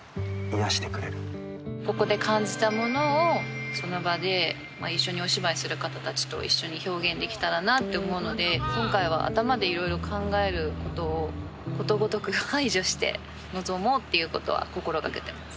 ここで感じたものをその場で一緒にお芝居する方たちと一緒に表現できたらなと思うので今回は頭でいろいろ考えることをことごとく排除して臨もうっていうことは心がけてます。